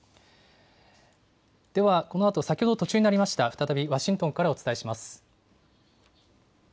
では、このあと先ほど途中になりました、再びワシントンからお伝えします。